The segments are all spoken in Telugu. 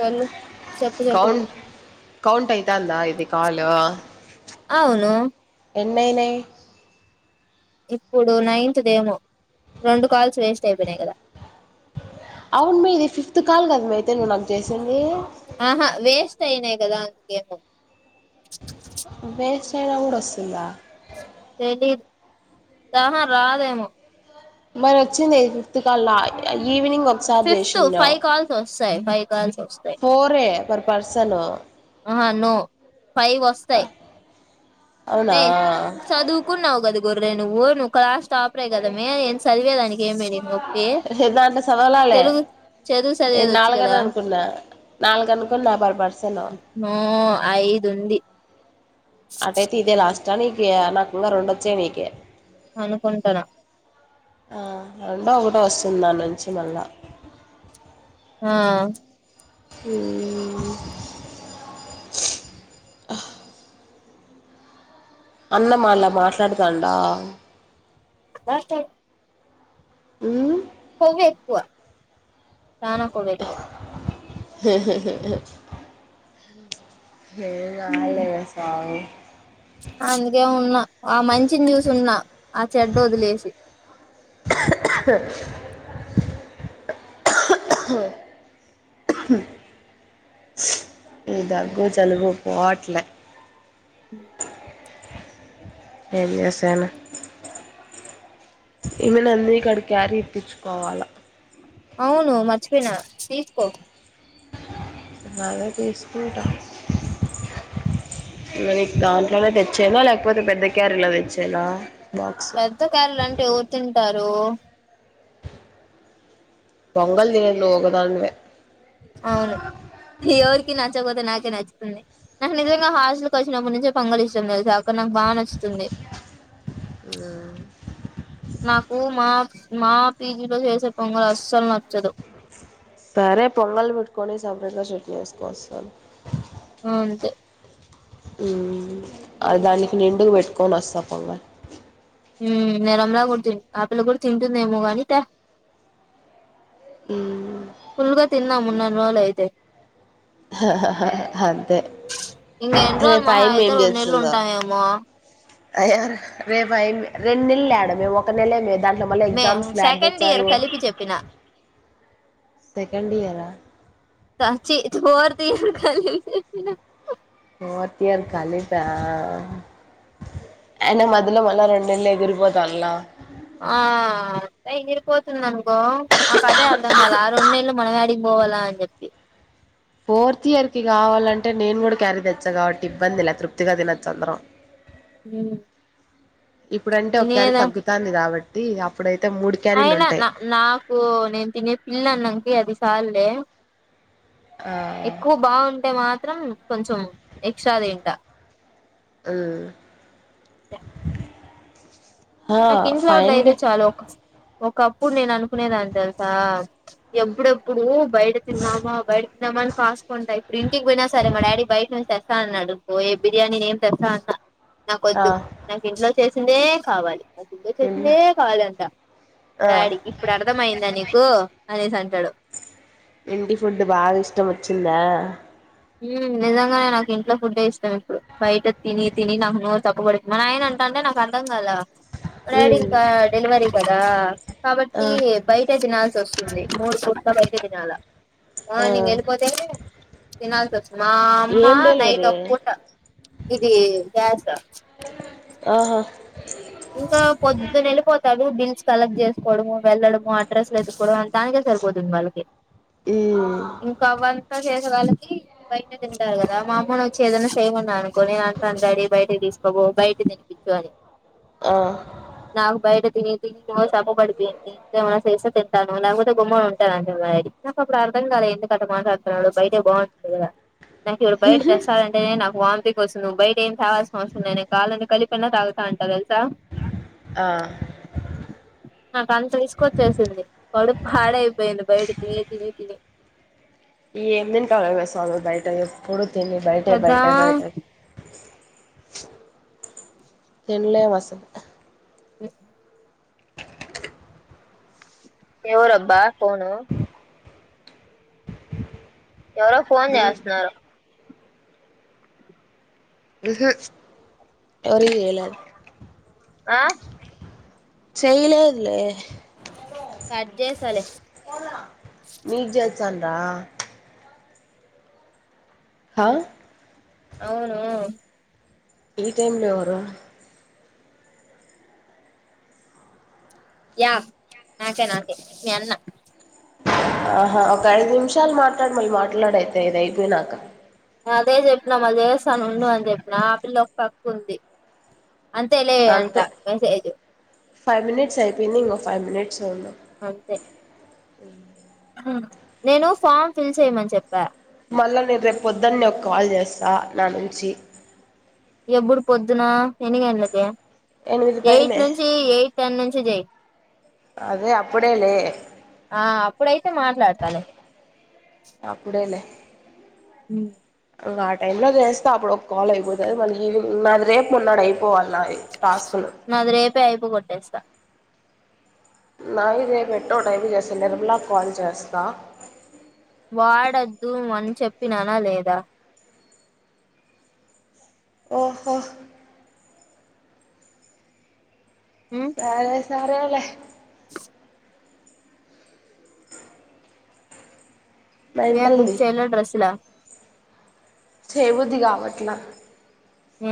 వెళ్ళు కౌంట్ కౌంట్ అయితంద ఇది కాల్ అవును ఎన్ని అయినాయి ఇప్పుడు నైన్త్ దేమో రెండు కాల్స్ వేస్ట్ అయిపోయినాయి కదా అవును మ ఇది ఫిఫ్త్ కాల్ కదా మ అయితే నువ్వు నాకు చేసింది సైనాయి కదా అ గేమ వేస్ట్ అయినా కూడా వస్తుందా తెలిడ్ చానా రాదేమో మరి వచ్చింది ఫిఫ్త్ కల్లా ఈవినింగ్ ఒకసారి చేసిండ బై కాల్ స వస్తయి పర్ పర్సను అహా నో పై వస్తాయి్ అవునా మే చదువుకున్నావు కదా గు నువ్వు నువ్వు క్లాస్ టాపర్ కదమే నేను చదివేదానికి ఏంమె నికి నొప్పి దాంట్లో చదవలాలే తెలుగు చదువు సాదివేది దొచ్చు కదా నాలుగనుకు నాబర్ పడ్సాను హా ఐదు ఉంది అటైయితే ఇదే లాస్ట్ నీక నాకింగా రెండొచ్చా నీక అనుకుంటారా ఆ రెండు ఒకటి వస్తుంది దాని నుంచి మళ్ళా హ హ్మ్ అన్నమాళ మాట్లాడతాండా మాట్లాడి హ్మ్ కొవ్వు ఎక్కువ చాలా కువ్వుఎక్కువ ఏ యాడ ఎక్కువ లేదు స్వామి అందుకే ఉన్నా ఆ మంచి న్యూస్ ఉన్నా ఆ చెడ్డ వదిలేసి ఇ దగ్గు జలువు పోట్ల హ్మ్ ఏంచేస్తాను ఇగ నన్నీ కడా క్యారీ ఇప్పచ్చుకోవాలా అవును మర్చిపోన తీసుకో అదే తీసుకూంట మరి దాంట్లోనే తెచ్చేనా లేకపోతే పెద్ద క్యరీలో తెచ్చేనా బాక్స్ పెద్ద క్యారీ లు అంటే ఎవరు తింటారు పొంగల్ తినేది నువ్వు ఒకదానివే అవును ఎవర్కి నచ్చకపోతే నాక నచ్చుతుంది నాకు నిజంగా హాస్టల్కి వచ్చినప్పుటి నుంచే పొంగలి ఇష్టం తెలుసా అక్కడ నాకు బాగా నచ్చుతుంది ఉమ్ నాకు మా పీజీలో చేసే పొంగలు అస్సలు నచ్చదు సరే పొంగల్ పెట్టుకొని సబరిగా చట్ని వేసుకోవస్తానలే అంతె అ దానికి నిండుకు పెట్టుకొని వస్తా పంగ ఉమ్ నిర్మలా కూడా తింటు ఆ పిల్ల కూడా తింటుందేమో కానీ తే ఫుల్గా తినడము ఉన్నానీ రోజులు అయితే అంతే ఇంకా ఎన్ని రోజులు రేపు మహ ఆయమ్మ అయితే రెండునెల్ల ఉంటాం ఏమో అయ్యో రేపు అ రెండు నెల్లు యాడ మే ఒక నెలే మే దా మే సెకండ్ ఇయర్ కలిపి చెప్పినా సెకండ్ ఇయరా స చి ఫోర్ ర్త్ ఇయర్ కలిపి చెప్పిన ఫోర్త్ ఇయర్ కలిపా అయిన మధ్యలో మళ్ళ రెండునెల్లు ఎగిరిపోతంలే ఆ అ ఎగిపోతుందనుకో నాకు అదే అర్థం కలే ఆ రెండు నెల్లు మనయాడికి పోవాలా అని చెప్పి ఫోర్త్ ఇయర్ కావాలంటే నేను కూడా క్యారీ తెచ్చా కాబట్టి ఇబ్బందిలా తృప్తిగా తినోచ్చు అందరం హు ఇప్పుడంటే ఒక్యారీ తగ్గుతాంది కాబట్టి అప్పుడైతే మూడు క్యారీలు అయినా ఉంటాయి నా నాకు నేను తినే పిల్లన్నంకి అది సాల్లే ఆ ఎక్కువ బాగుంటే మాత్రం కొంచెం ఎక్స్ట్రా తింటా ఆ ఆ నాకు ఇంట్లోద్ అయితే ఫైన్లీ చాలు ఏప్పుడు నేను అనుకునేదాన్ని తెలుసా మ్మ్ ఎప్పుడెప్పుడు బయట తిందామా బయట తిందమాని కాస్త కుంటా ఇప్పుడు ఇంటికి పోయినా సరే మా డాడీ బయట నుంచి తేస్ తెస్తా అన్నాడు పోయే బిర్యానీ ఏం తెస్తా అన్నా ఆ నాకోద్దు నాకు ఇంట్లో చేసిందే కావాలి నాక్ ఇంట్లో ఏంలా చేసిందే కావాలంట మా ఆ డాడీ ఇప్పుడు అర్థమయిందా నీకు అనేసి అంటాడు ఇంటి ఫుడ్ బాగా ఇష్టం వచ్చిందా ఉ నిజంగానే నాకు ఇంట్లో ఫుడ్డే ఇష్టం ఇప్పుడు బయట తిని తిని నాకు నోరు చప్పుబడుంది మ నాయిన అంటా టంటే నాక్ అర్ధం కాలే మా డాడీ మ్మ్ ఇంక డెలివరీ కదా ఆ కాబట్టి బయటే తినాల్సి వస్తుంది మూడు పూటల బయ తినాలా ఆ మార్నింగ్ వెళ్ళిపోతే తినాల్సి మా అమ్మ ఏం నైట్ డెలివరీ ఒక పూట ఇది గ్యాస్ ఆహా ఇంకా పొద్దున వెళ్ళిపోతా రు బిల్స్ కలెక్ట్ చేసుకోవడము వెళ్లడము అడ్రస్లు ఎత్తుకోవడం అ దానికే సరిపోతుంది వాళ్ళకి మ్మ్ ఇంకా అవంతా చేస్త వాళ్ళకి బయటనే తింటారు కదా మా అమ్మని వచ్చి ఏదైనా చేయమన్నాడు అనుకో నేను అంటాను డాడీ బయటకి తీసుకోబో పో బయట తినిపించు అని ఆ నాక్ బయట తిని సప్పుపడిపోయింది ఏమైనా తెస్తే తింటాను లేకపోతే గుమ్మన ఉంటాను అంటడు నాకు అప్పుడు అర్థం కాలే ఎందుక అట్లా మాట్లాడుతున్నాడు బయటే బాగుంటుంది కదా నాకు ఇప్పుడు బయట తెస్తాలంటే నాకు వామ్టింగ్ వస్తు నువ్ బయట ఏం తేవాల్సినవసరం లే నేను కావాలంటే కలిపయినా తాగుతా అంటా తెలుసా ఆ నాకు అంత విసుకొచ్చేసింది కడు పాడైపోయింది బయట తిని తిని తిని ఏం తింటావ్ లే స్వామి బయట ఎప్పుడు తిండి బయటే కదా బయటే బయటే తిన్లేం అసలు ఉ ఎవరు అబ్బా ఫోను ఎవరో ఫోన్ చేస్తున్నారు ఉహు ఎవరి ఎలా ఆ చేయలేదులే కట్జేసాలే తాండ్ర ఆ అవును ఈ టైమ్ లో ఎవరు యా నాకే నాకే నన్న ఆహా ఒక ఐదు నిమిషాలు మాట్లాడు మళ్ళీ మాట్లాడైతే ఇద అయిపోయినాక అదే చెప్పిన మా దేవస్థాన ఉండు అని చెప్పిన ఆపిిల్ల్లో ఒక పక్ ఉంది అంతే లే అంట అంతే మెసేజ్ ఫైవ్ మినిట్స్ అయిపోయిందియి ఇంకో ఫైవ్ మినిట్స్ ఉన్నా అంతే నేను ఫామ్ ఫిల్ చేయ్యమని చెప్పా పల్లవినేను రేపు పొద్దుని ఒక కాల్ చేస్తాను నా నుంచి ఎప్పుడు పొద్దున ఎన్ని గంటలకి ఎనిమిది ఎయిట్ పైనే నుంచి ఎయిట్ టెన్ నుంచి జయి అదే అప్పుడే లే అే మాట్లాడతాా లె అప్పుడేలే హ ఇంకా ఆ టై లో వేస్తే అప్పుడు ఒక కాల్ అయిపోతుంది మళ్ళీ ఈవినింగ్ నాది రేపు మన్నాడుైయి పోవాలయి టాస్కులు నాది రేపే అయిపోగొట్టేస్తా నా ఇదేపుెటో డైవ్ చేసి నిర్మలా కాల్ చేస్తా వాడద్దు అని చెప్పినానా లేదా ఓహో సరే సరే లె మేం బుక్ మెంటల్ది చేయ డ్రస్సు ల చే బుద్ధికావట్లా ఎ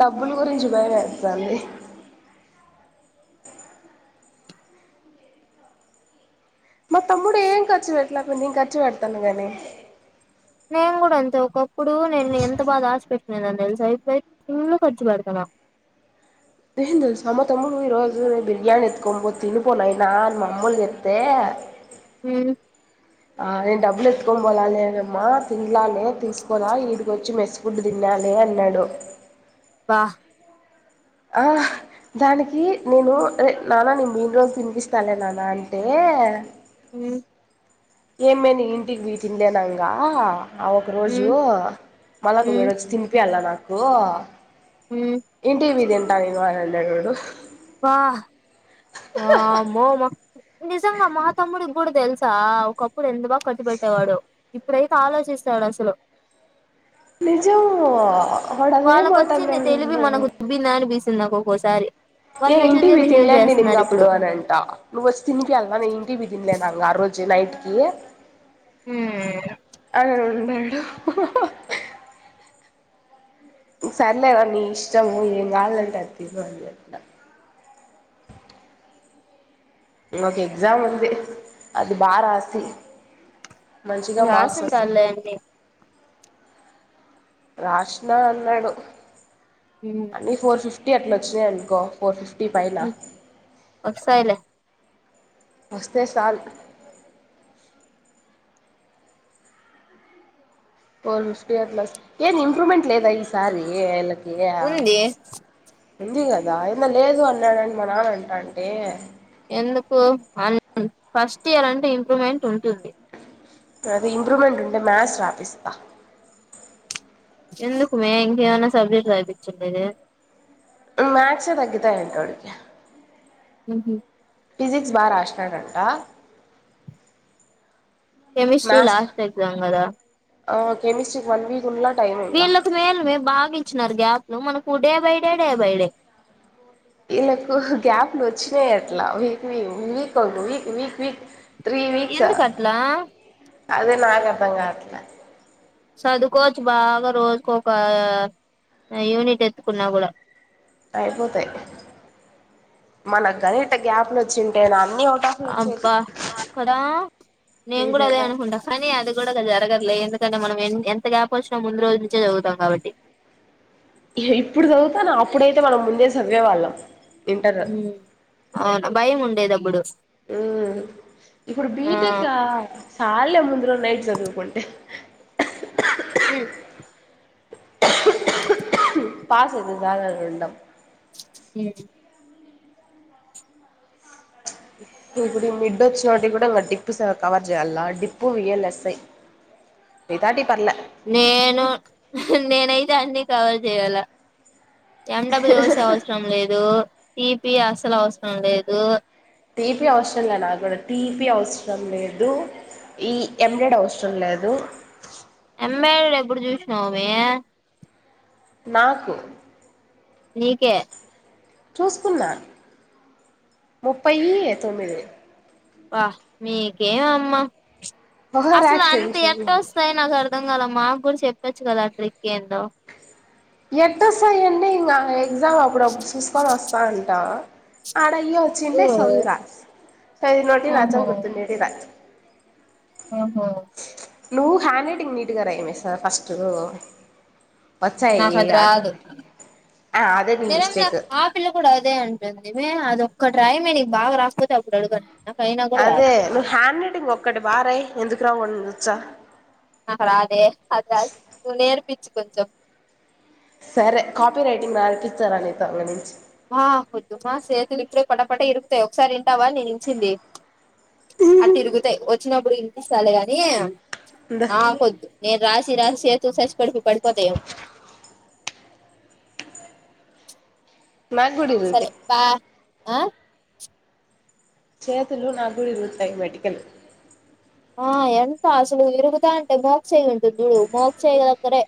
డబ్బులు కూర చుభయస్తన్నది మా తమ్ముడు ఏం ఖర్చు పెట్టలేక నేను ఖర్చు పెడతాను గానీ నేను కూడా అంతే ఒకప్పుడు నేను ఎంత బాగా ఆశపెట్టినదని తెలుసి అయిపోయి ఇంలు ఖర్చు పెడుతున్నా [inaudible] హు ఆ నేను డబ్బులెత్కని పోలాలి నమ్మా తిినాలనే తీసుకోరా ఇడికి వచ్చి మెస్ ఫుడ్ తిన్నాను తనే అన్నాడు వాహ్ ఆహ్ దానికి నేను రె నానా నేన మెయిన్ రోజు పినిపిస్తాలే నాన్న అంటే కే మ్ ఏమే న ఇంటికి వీటిల్ేనాంగా ఆ ఒక రోజు హ్మ్ మళ్ళా నువ్వ హ్మ్ ఏడొచ్చి తినిప అళ్ళ నాకు హ్మ్ ఇంటి విదిింటా నేను అనందడు వా ఆ మో మా నిజంగా మతమ్ముడి కూడా తెలుసా ఒకప్పుడు ఎంత బా కట్టు పెట్టేవాడు ఇప్పుడైతే ఆలోచిస్త చాలాసలు నిజము వాళ్ళకొచ్చింది తెలివి మనకు దుబ్బిందా అనిపిసిందికు ఒక్కోసారి ఏ వాళ్ళు మెచ్యూర్ గా ఇంటివి బిహేవ్ తినలేను నేను ఇంగ చేస్తున్నారు ఇప్పుడు అప్పుడు అనంట నువ్వ వచ్చి తినిపియాల నేను ఇంటివి తినలేనుంగ ఆ రోజు నైట్కి హ తమిల్నాయుడు సల్ల నీ ఇష్టం పో కాాలంట అత మాకు ఎక్జామ్ ఉంది అది బగా రాస్తే మంచిగా మార్క్స్ వస్తయి రాసుంటారులే అన్ని రాష్ిన అన్నాడు హ్మ్ అన్నీ ఫోర్ ఫిఫ్టీ టీ అట్లు వచ్చినాయి అనుకో ఫోర్ ఫిఫ్టీ పైన వొస్తాయిలే వస్తే చాలు ఫోర్ ఫిఫ్టీ అట్ల వస్తే ఏం ఇంప్రూవ్మెంట్ లేదా ఈ సారి అయా ఉంది ఉంది కదా ఏంద లేదు అన్నాడండి మా నాన్న అంటా అండి ఎందుకు ఫస్ట్ ఇయర్ అంటే ఇంప్రూమెంట్ ఉంటుంది అది ఇంప్రూమెంట్ ఉంటే మాథ్స్ ప్రాపిస్తా ఎందుకుమే ఇంక ఏమన్నా సబ్జెక్ట్ అపించలేదు మ్యాథస్ే తగ్గతాయంట అడికి ఫిజక్స్ బార అష్ట కట్టా కెమిస్ట్రీ లాస్ట్ ఎగ్జామ్ కదా కెమిస్ట్రీకి వన్ వీక్ ఉన్నా వీళ్ళకి మేలు మే బాగా ఇచ్చినారు గ్యాప్ లో మనకు day by day day by day ఇల్లకు గ్యాప్లు వచ్చినాయి అట్లా వీక్ వీ వీక్ ఒక week week week three weeks ఎందుకు అట్లా అదే నాకు అర్థం కావట్లే చదుకోవచ్చు బాగ రోజుకు ఒక యూనిట్ ఎత్తుకున్నా కూడా అయిపోతాయి మన గరిట గ్యాప్లు వచ్చింటే నా ఫోటోకులొచ్చది అబ్బా కదా నేను కూడా అదే అనుకుంటా కానీ అది కూడా జరగదులే ఎందుకంటే మనం ఎ ఎంత గ్యాప్ వచ్చినా ముందు రోజు నుంచే చదువుతాం కాబట్టి ఇప్పుడు చదువుతానవా అప్పుడైతే మనం ముందే చదివేవాళ్ళం ఇంటర్ అవునా భయం ఉండేదప్పుడు ఇప్పుడు బీటెకా సాల్లె ముందులో నైట్ చదువుకుంటే హ పాస్ ఇదు కా రండం హమ్ ఇ ఇప్పుడు మిడ్ వచ్చిన వాటికి కూడా డిప్పు కవర్ చేయాల డిప్పు విఎల్ఎస్ఐ మిగతాటి పర్లే నేను నేనైతే అన్ని కవర్ చేయాల ఎండబ్లూ వసే అవసరం లేదు టీపి అస్సలు అవసరం లేదు టీపి అవసరంలే నాకు కూడా టీపి అవసరం లేదు ఈ ఎంబ్రెడి అవసరం లేదు ఎం ఆ ఎప్పుడు చూసినావుమే నాకు నీకే చూసుకున్నా ముప్పై తొమ్మిది వా నీకేం అమ్మ ఓవర్ అసలు యాక్షన్ అంత ఎట్ట చెయ్యకు వస్తాయి నాకు అర్ధం కాలమ్మా కొంచం చెప్పొచ్చు కదా ఆ ట్రిక్ ఏందో ఎట్టస్థాయి అంటే ఎక్జా అప్పుడుప్పుడు చూసుకొని వస్తా అంటా అయ ఓ వచ్చిండే చదువు రాజు సోఐదు నోటి ఓహో రాజని గుర్తుండే రాజ ఓహో నువ్వు హ్యాండ్ రైటింగ్ నీట్గా రాయ్ మే సార్ ఫస్ట్ వచ్చాయి నాకదిరాదు ఆటోమేటిక్గా ఆ అదే నీ ఏం లె మిస్టేక్ ఆ పిల్ల కూడా అదే అంటుంది అద ఒక్కట్రయమ్మే నీకు బాగా రాస్తంది అప్పుడు అడగతాను అదే నువ్వు హ్యాండ్ రైటింగ్ ఒక్కటి బా రాయ్ ఎందుకు రావో నేనూ జూచ్చ నాకు రాదే అదిలా నువ్ నేర్పించు కొంచెం సరే కాపీ రైటింగ్ రాపిస్తారా నీతో ఇప్పనించి మా వద్దు మా చేతులు ఇప్పుడే పటపటే ఇరుకుతాయి ఒకసారి వింటావా నేను ఇరిచింది. అట్ట ఇరుగుతాయి వచ్చినప్పుడు ఇనిపిస్తాలే గాని ఇందా నాకొద్దు నేను రాసి రాసి సేతులు సస్ పడిపి పడిపోతయమో మా గూడా ఇరుగుతాయి. బా ఆ చేతులు నా కూడా ఇరుగుతాయి మెడికల్ ఆ ఎంత అసలు విరుగుతాయి అంటే మోగా చేయి ఉంటుంది చూడు మోగ చేయి త్రే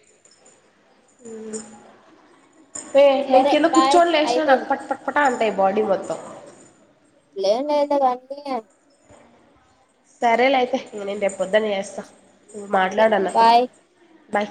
ఏ నేను సరే కింద బాయ్ కుచోనీ లేసిన నాకు అయిపోయింది పట్ పట్ అంటాయ్ బాడి మొత్తం లేం లేదు లే కానీ సరేలే అయితే నేను రేపు పొద్దునే చేస్తా మాట్లాడు అన్నతో బాయ్ బై